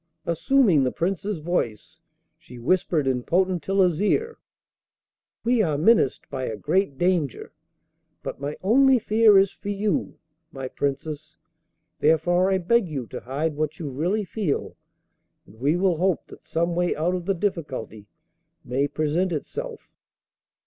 Assuming the Prince's voice, she whispered in Potentilla's ear: 'We are menaced by a great danger, but my only fear is for you, my Princess. Therefore I beg you to hide what you really feel, and we will hope that some way out of the difficulty may present itself.